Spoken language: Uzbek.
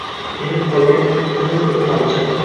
Inib qolgan tiniq bir tomchi”.